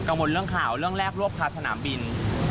มนต์เรื่องข่าวเรื่องแรกรวบคาสนามบิน